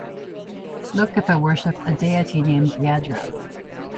Locathah worship a deity named Eadro.